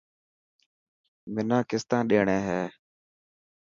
منا ڪستان ڏيڻي هي.